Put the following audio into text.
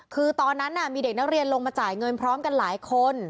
คือตอนนั้นมีเด็กนักเรียนลงมาจ่ายเงินพร้อมกันหลายคน